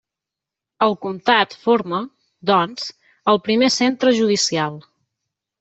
El comtat forma, doncs, el primer centre judicial.